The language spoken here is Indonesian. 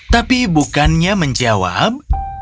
tapi bukannya menjawab